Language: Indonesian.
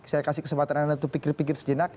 saya kasih kesempatan anda untuk pikir pikir sejenak